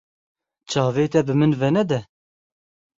Çavê te bi min venede?